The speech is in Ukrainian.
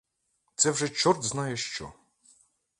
Це вже чорт знає що!